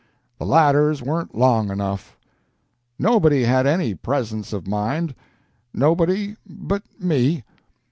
The ladders weren't long enough. Nobody had any presence of mind nobody but me.